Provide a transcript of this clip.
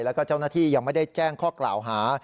แล้วก็เจ้าหน้าที่ยังไม่ได้แจ้งข้อกล่าวหา